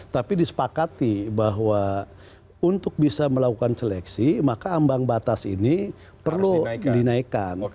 tapi disepakati bahwa untuk bisa melakukan seleksi maka ambang batas ini perlu dinaikkan